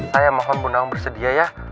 saya mohon bu nawang bersedia ya